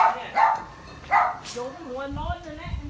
คื้นว่าสีมากไปมานานเดียวเท่าที่